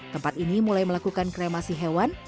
tempat ini mulai melakukan kremasi hewan